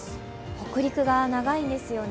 北陸が長いんですよね。